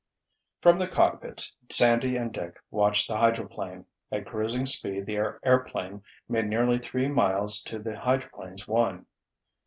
From their cockpits Sandy and Dick watched the hydroplane. At cruising speed their airplane made nearly three miles to the hydroplane's one.